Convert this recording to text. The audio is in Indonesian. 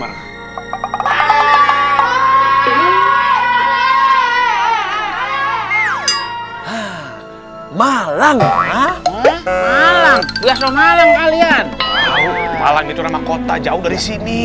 malang malang malang malang kalian malang itu ramah kota jauh dari sini